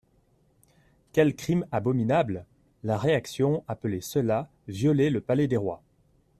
Quel crime abominable ! La réaction appelait cela violer le palais des rois.